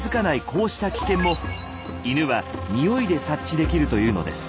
こうした危険も犬はニオイで察知できるというのです。